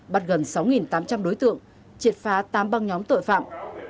bắt gần sáu tám trăm linh đối tượng triệt phá tám băng nhóm tội phạm